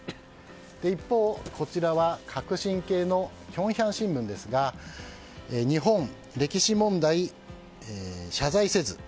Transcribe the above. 一方、こちらは革新系のキョンヒャン新聞ですが日本、歴史問題、謝罪せず。